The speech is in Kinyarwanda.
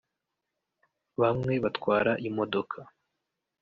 bamwe batwara imodoka